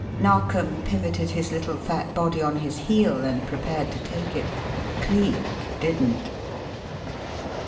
Narkom pivoted his little fat body on his heel, and prepared to take it. Cleek didn't.